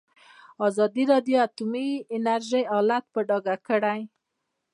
ازادي راډیو د اټومي انرژي حالت په ډاګه کړی.